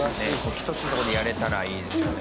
一つの所でやれたらいいですよね。